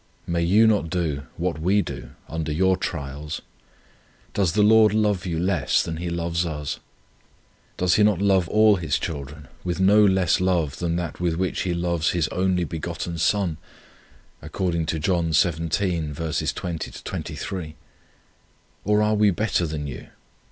May you not do, what we do, under your trials? Does the Lord love you less than He loves us? Does He not love all His children with no less love than that, with which He loves His only begotten Son, according to John xvii. 20 23? Or are we better than you?